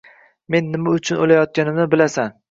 Men nima uchun o‘layotganimni bilasan.